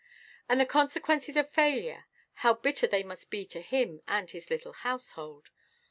And the consequences of failure—how bitter they must be to him and his little household!